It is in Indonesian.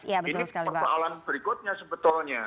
ini persoalan berikutnya sebetulnya